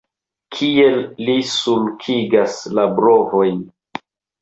Kiel li sulkigas la brovojn!